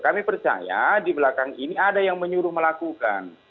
kami percaya di belakang ini ada yang menyuruh melakukan